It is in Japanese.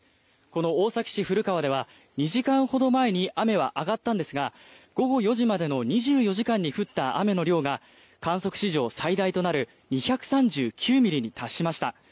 この大崎市古川では２時間ほど前に雨は上がったんですが午後４時までの２４時間に降った雨の量が観測史上最大となる２３９ミリに達しました。